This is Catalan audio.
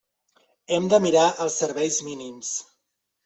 Hem de mirar els serveis mínims.